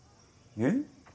えっ？